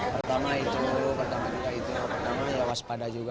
pertama itu pertama itu pertama ya waspada juga